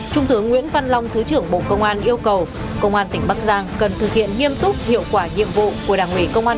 trung tướng nguyễn văn long thứ trưởng bộ công an yêu cầu công an tỉnh bắc giang cần thực hiện nghiêm túc hiệu quả nhiệm vụ của đảng ủy công an